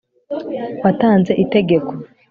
watanze itegeko